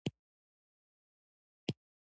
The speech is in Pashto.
د پیتالوژي علم د بدن ژبه ده.